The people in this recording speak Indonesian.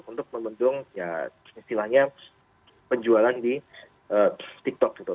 untuk membendung ya istilahnya penjualan di tiktok gitu